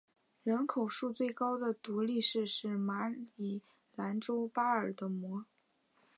人口数最高的独立市是马里兰州巴尔的摩。